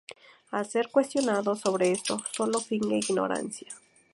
Al ser cuestionado sobre esto, sólo finge ignorancia.